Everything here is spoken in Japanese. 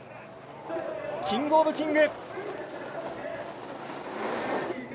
キングオブキング。